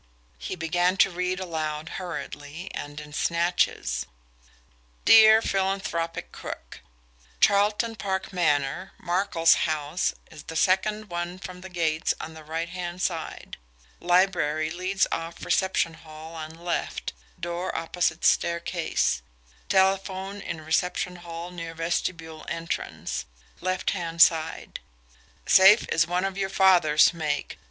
He began to read aloud hurriedly and in snatches: "DEAR PHILANTHROPIC CROOK: Charleton Park Manor Markel's house is the second one from the gates on the right hand side library leads off reception hall on left, door opposite staircase telephone in reception hall near vestibule entrance, left hand side safe is one of your father's make, No.